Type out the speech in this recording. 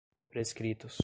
prescritos